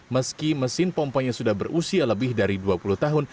meski mesin pompanya sudah berusia lebih dari dua puluh tahun